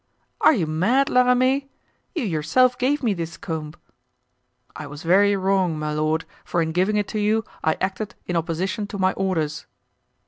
"Are you mad, La Ramee? You yourself gave me this comb." "I was very wrong, my lord, for in giving it to you I acted in opposition to my orders."